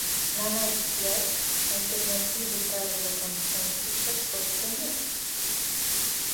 На наш взгляд, альтернативы правилу консенсуса просто нет.